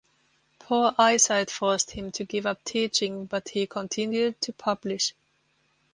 Poor eyesight forced him to give up teaching but he continued to publish.